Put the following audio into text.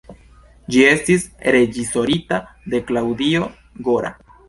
Ĝi estis reĝisorita de Claudio Gora.